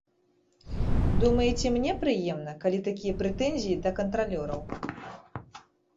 Думаеце, мне прыемна, калі такія прэтэнзіі да кантралёраў?